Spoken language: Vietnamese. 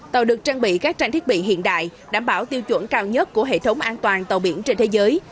tàu được trang bị các trang thiết bị hiện đại đảm bảo tiêu chuẩn cao nhất của hệ thống an toàn tàu biển trên thế giới